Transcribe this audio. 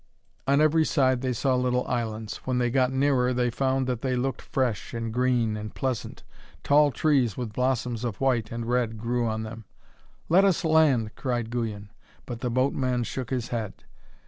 On every side they saw little islands. When they got nearer they found that they looked fresh and green and pleasant. Tall trees with blossoms of white and red grew on them. 'Let us land!' cried Guyon. But the boatman shook his head.